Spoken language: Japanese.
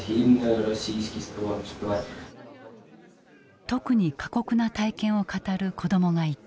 特に過酷な体験を語る子どもがいた。